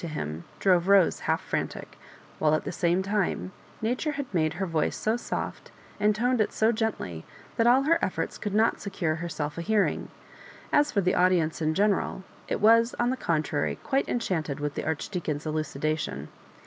to him, drove Rose half frantic ; while, at the same time, Na ture had made her voice so soft, and toned it so gently, that all her efforts could not secure her self a hearing. As for the audience in general, it was, on the contrary, quite enchanted with the Archdeacon's elucndation.